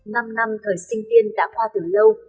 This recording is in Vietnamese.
năm năm thời sinh tiên đã qua từ lâu